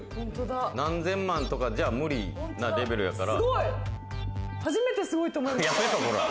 何千万とかじゃ無理なレベルやから。